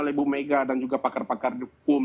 oleh bumega dan juga pakar pakar hukum